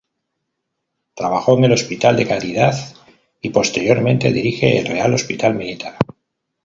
Trabajó en el Hospital de Caridad y posteriormente, dirige el Real Hospital Militar.